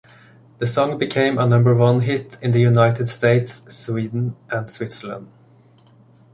The song became a number-one hit in the United States, Sweden and Switzerland.